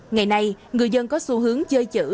ngày nay người dân có xu hướng chơi chữ